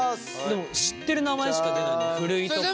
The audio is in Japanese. でも知ってる名前しか出ないね。